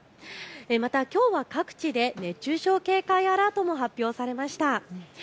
また、きょうは各地で熱中症警戒アラートも発表されました。